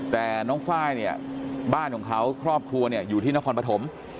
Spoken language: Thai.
แต่น้องไฟล์เนี่ยบ้านของเขาครอบครัวเนี่ยอยู่ที่นครปฐม